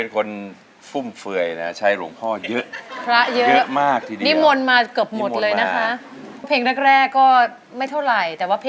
กลัวเลย